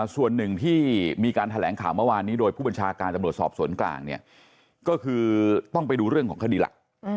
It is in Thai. ส่วนหนึ่งที่มีการแถลงข่าวเมื่อวานนี้โดยผู้บัญชาการตำรวจสอบสวนกลางเนี่ยก็คือต้องไปดูเรื่องของคดีหลัก